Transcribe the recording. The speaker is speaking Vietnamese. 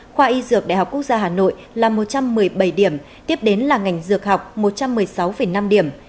khoa y dược đại học quốc gia hà nội là một trăm một mươi bảy điểm tiếp đến là ngành dược học một trăm một mươi sáu năm điểm